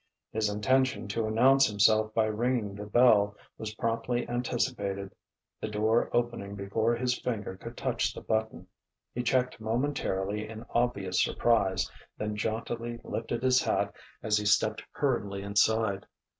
His intention to announce himself by ringing the bell was promptly anticipated, the door opening before his finger could touch the button. He checked momentarily in obvious surprise, then jauntily lifted his hat as he stepped hurriedly inside.